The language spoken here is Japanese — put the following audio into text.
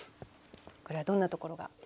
これはどんなところが。